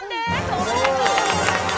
おめでとうございます！